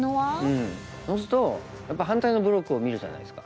そうするとやっぱり反対のブロックを見るじゃないですか。